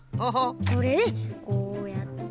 これでこうやって。